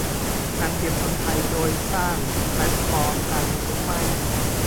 การเตรียมคนไทยโดยสร้างแพลตฟอร์มการเรียนรู้ใหม่